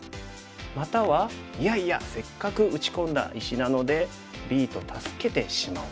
またはいやいやせっかく打ち込んだ石なのでＢと助けてしまおう。